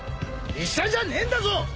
医者じゃねえんだぞ！